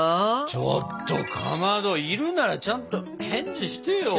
ちょっとかまどいるならちゃんと返事してよ。